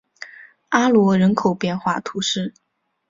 阿罗人口变化图示